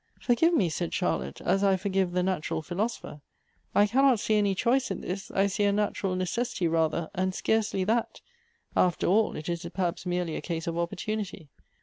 " Forgive me," said Charlotte, " as I forgive the natural philosopher. I cannot see any choice in this; I see a natural necessity rather, and scarcely that. After all, it is perhaps merely a case of opportunity.